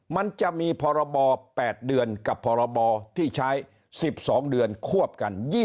มันจะมีพรบ๘เดือนกับพรบที่ใช้๑๒เดือนควบกัน